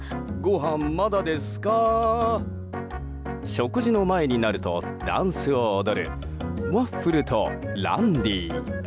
食事の前になるとダンスを踊るワッフルとランディー。